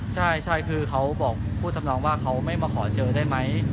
ใช่คือเขาบอกพูดทำนองว่าเขาไม่มาขอเจอได้ไหม